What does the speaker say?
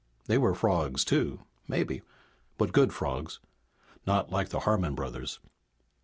They were frogs too, maybe, but good frogs. Not like the Harmon brothers.